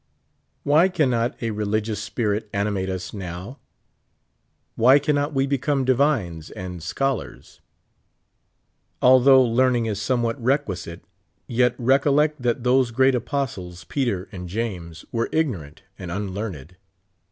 Why cannot a religious spirit animate us now? Wiiy cannot we become divines and scholars? Although learn ing is somewhat requisite, yet recollect that tliose great apostles, Peter and James, were ignorant and unlearned.